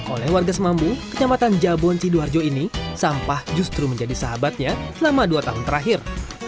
oleh warga semambu kecamatan jabon sidoarjo ini sampah justru menjadi sahabatnya selama dua tahun terakhir